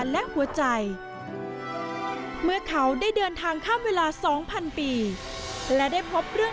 แต๊มจะอาจทำลายได้เลย